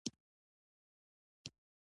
کتاب په نولس سوه اتیا کال کې بیا چاپ شو.